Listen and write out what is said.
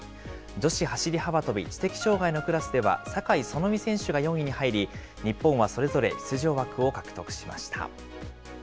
女子走り幅跳び、知的障害のクラスでは酒井園実選手が４位に入り、日本はそれぞれ出場枠を獲得しました。